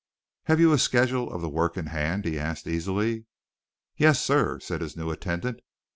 "Have you a schedule of the work in hand?" he asked easily. "Yes, sir," said his new attendant.